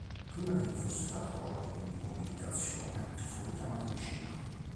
Prima che gli fosse dato l'ordine di mobilitazione, fu richiamato in Cina.